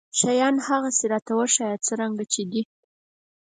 شيان هغسې راته وښايه څرنګه چې دي.